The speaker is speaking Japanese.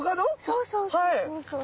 そうそうそうそう。